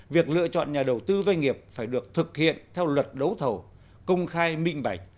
việc lựa chọn nhà đầu tư doanh nghiệp phải được thực hiện theo luật đấu thầu công khai minh bạch